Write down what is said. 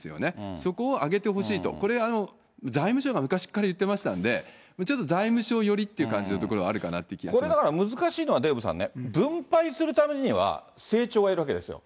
そこを上げてほしいと、これ、財務省が昔から言ってましたんで、ちょっと財務省寄りという感じのところはあるかなという気がしまこれが難しいのはデーブさんね、分配するためには、成長がいるわけですよ。